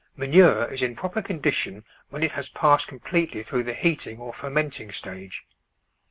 Manure is in proper condition when it has passed completely through the heating or fermenting stage.